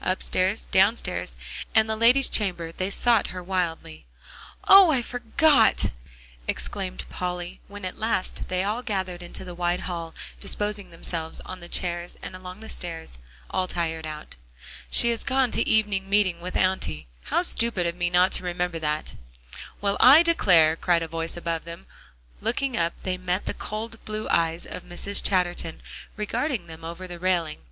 "Upstairs, downstairs, and in the lady's chamber," they sought her wildly. "Oh! I forgot," exclaimed Polly, when at last they gathered in the wide hall, disposing themselves on the chairs and along the stairs, all tired out. "She has gone to evening meeting with Auntie. How stupid of me not to remember that." "Well, I declare!" cried a voice above them, and looking up they met the cold blue eyes of Mrs. Chatterton regarding them over the railing.